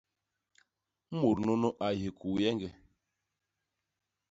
Mut nunu a yé hikuyeñge.